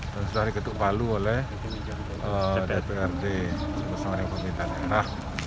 dan sudah diketuk balu oleh dprd bersama dengan pemimpin daerah